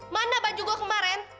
mana baju gua kemarin